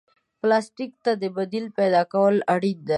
پلاستيک ته د بدیل پیدا کول اړین دي.